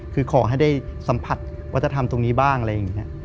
คือขอให้ได้สัมผัสวัฒนธรรมตรงนี้บ้างอะไรอย่างนี้